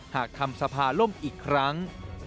หากทำสภาล่มอีกครั้ง